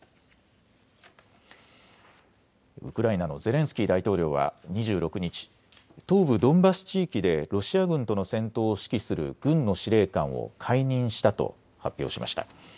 ウクライナのゼレンスキー大統領は２６日、東部ドンバス地域でロシア軍との戦闘を指揮する軍の司令官を解任したと発表しました。